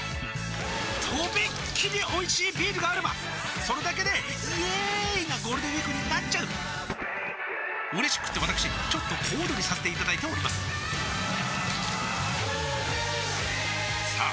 とびっきりおいしいビールがあればそれだけでイエーーーーーイなゴールデンウィークになっちゃううれしくってわたくしちょっと小躍りさせていただいておりますさあ